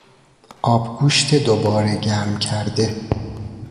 آبگوشت دوباره گرم کرده